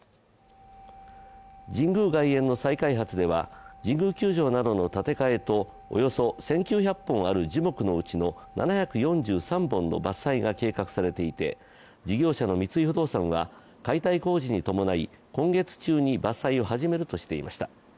神宮外苑の再開発では神宮球場などの建て替えとおよそ１９００本あるうち樹木のうち７４３本の伐採が計画されていて事業者の三井不動産は解体工事に伴い、今月中に伐採を始めるとしていました。